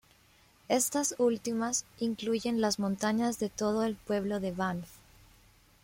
Estas últimas incluyen las montañas de todo el pueblo de Banff.